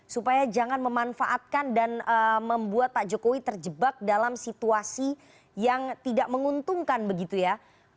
supaya jangan memanfaatkan dan membuat pak jokowi terjebak dalam situasi yang tidak menguntungkan begitu ya